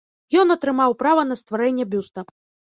Ён атрымаў права на стварэнне бюста.